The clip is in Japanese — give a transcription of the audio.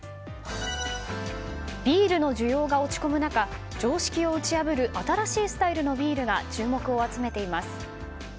ビールの需要が落ち込む中常識を打ち破る新しいスタイルのビールが注目を集めています。